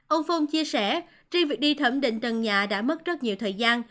ông phong chia sẻ tri việc đi thẩm định tầng nhà đã mất rất nhiều thời gian